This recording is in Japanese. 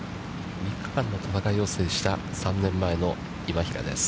３日間の戦いを制した３年前の今平です。